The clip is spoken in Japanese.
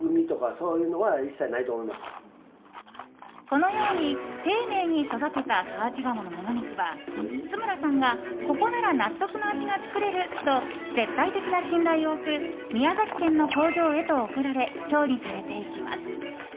このように、丁寧に育てた河内鴨のモモ肉は津村さんがここなら納得の味が作れると絶対的な信頼を置く宮崎県の工場へと送られ調理されていきます。